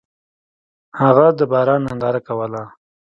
هغه د باران ننداره کوله.